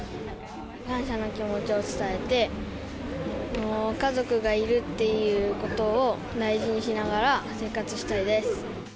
感謝の気持ちを伝えて、家族がいるっていうことを、大事にしながら生活したいです。